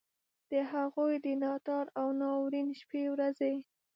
د هغوی د ناتار او ناورین شپې ورځي.